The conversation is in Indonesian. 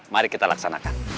mari kita laksanakan